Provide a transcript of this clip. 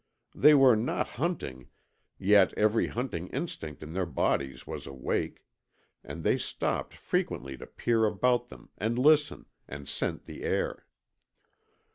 They were not hunting, yet every hunting instinct in their bodies was awake, and they stopped frequently to peer about them, and listen, and scent the air.